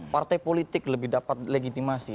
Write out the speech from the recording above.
partai politik lebih dapat legitimasi